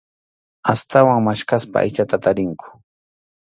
Astawan maskhaspa aychata tarinku.